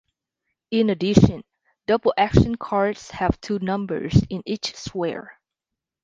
In addition, double-action cards have two numbers in each square.